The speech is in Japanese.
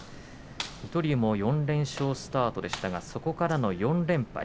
水戸龍も４連勝スタートでしたがそのあとの４連敗。